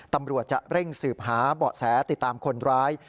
ตำรวจจะเร่งสืบหาเบาะแสติดตามคนร้าย